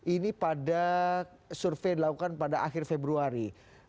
ini pada survei dilakukan pada akhir februari